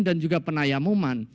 dan juga penayamuman